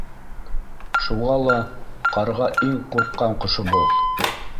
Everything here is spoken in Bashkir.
Шуға ла ҡарға иң ҡурҡҡан ҡошобоҙ.